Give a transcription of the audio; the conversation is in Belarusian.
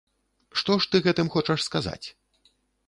Што ж ты гэтым хочаш сказаць?